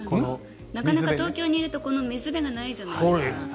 なかなか東京にいると水辺がないじゃないですか。